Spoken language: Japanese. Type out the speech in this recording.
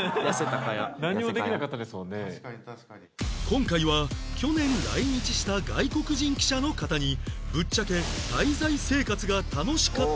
今回は去年来日した外国人記者の方にぶっちゃけ滞在生活が楽しかったか伺う